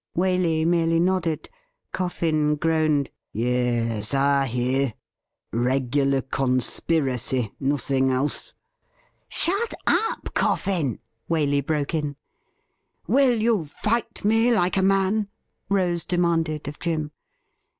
Waley merely nodded. Coffin groaned :' Yes, I hear. Regular conspiracy, nothing else. ' Shut up. Coffin !' Waley broke in. ' Will you fight me like a m9,n .?' Rose demanded of Jim.